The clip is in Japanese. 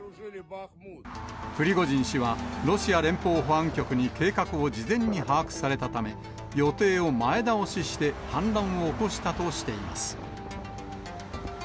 プリゴジン氏は、ロシア連邦保安局に計画を事前に把握されたため、予定を前倒しして反乱を起こしたとしています。